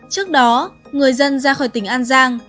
trước đó người dân ra khỏi tỉnh an giang